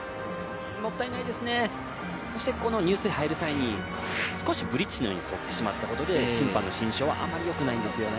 もったいないですね、そしてこの入水入る際に少しブリッジのように反ってしまったことで、審判の心証はあまりよくないんですよね。